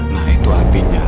nah itu artinya